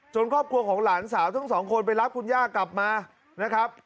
ครอบครัวของหลานสาวทั้งสองคนไปรับคุณย่ากลับมานะครับ